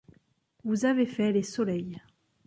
Vous avez fait les soleils.